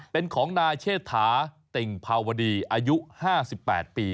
เป็นของนายเชษฐาติ่งภาวดีอายุ๕๘ปี